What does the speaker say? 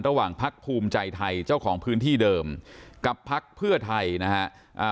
พักภูมิใจไทยเจ้าของพื้นที่เดิมกับพักเพื่อไทยนะฮะ